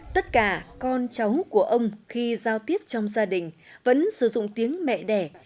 tất cả con cháu của ông khi giao tiếp trong gia đình vẫn sử dụng tiếng mẹ đẻ